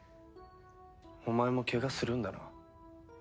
お前もケガするんだな。